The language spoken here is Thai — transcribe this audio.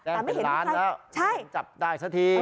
แจ้งเป็นร้านแล้วใช่จับได้สักที